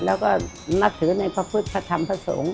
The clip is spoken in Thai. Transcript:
และขอนับถือในภพพฤติภาสงค์